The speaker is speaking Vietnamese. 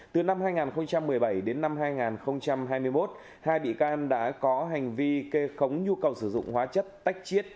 từ năm hai nghìn một mươi bảy đến năm hai nghìn hai mươi một hai bị can đã có hành vi kê khống nhu cầu sử dụng hóa chất tách chiết